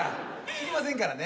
知りませんからね。